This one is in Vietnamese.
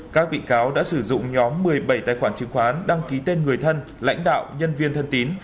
các bị cáo đã sử dụng nhóm một mươi bảy tài khoản chứng khoán đăng ký tên người thân lãnh đạo nhân viên thân tín